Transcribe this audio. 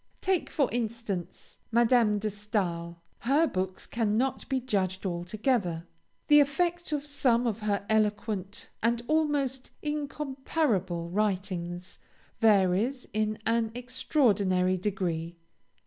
Take for instance, Madame de Stael; her books cannot be judged altogether; the effect of some of her eloquent and almost incomparable writings varies in an extraordinary degree.